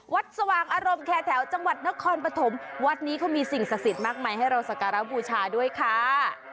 สว่างอารมณ์แคร์แถวจังหวัดนครปฐมวัดนี้เขามีสิ่งศักดิ์สิทธิ์มากมายให้เราสการะบูชาด้วยค่ะ